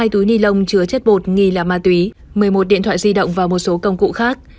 hai túi ni lông chứa chất bột nghi là ma túy một mươi một điện thoại di động và một số công cụ khác